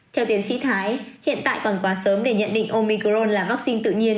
theo tiến sĩ thái hiện tại còn quá sớm để nhận định omicrone là vaccine tự nhiên